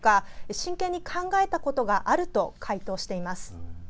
真剣に考えたことがあると回答しています。